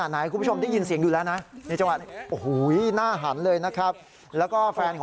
เฮ้มึงคือเจรงแขก